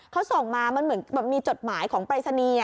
เขาส่งมามันเหมือนแบบมีจดหมายของปรายศนีย์